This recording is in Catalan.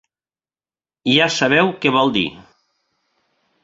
Ja sabeu què vol dir.